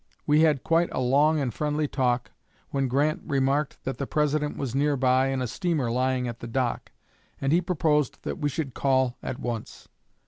We had quite a long and friendly talk, when Grant remarked that the President was near by in a steamer lying at the dock, and he proposed that we should call at once.